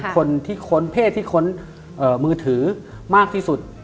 คนที่ค้นเพศที่ค้นมือถือมากที่สุด